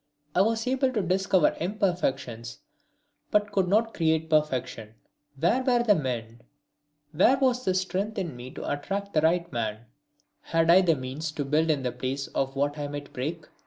I was able to discover imperfections but could not create perfection! Where were the men? Where was the strength in me to attract the right man? Had I the means to build in the place of what I might break?